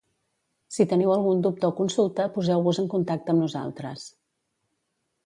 Si teniu algun dubte o consulta poseu-vos en contacte amb nosaltres.